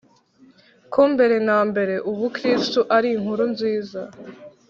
ko mbere na mbere ubukristu ari inkuru nziza